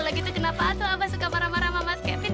kalau gitu kenapa tuh abah suka marah marah sama mas kevin